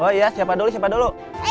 oh iya siapa dulu siapa dulu